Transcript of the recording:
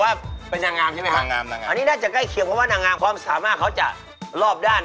อันนี้น่าจะใกล้เคียงเพราะว่านางงามความสามารถเขาจะรอบด้าน